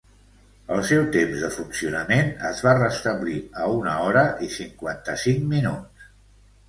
El seu temps de funcionament es va restablir a una hora i cinquanta-cinc minuts.